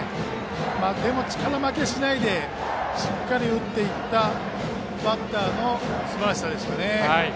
でも力負けしないでしっかり打っていったバッターのすばらしさですね。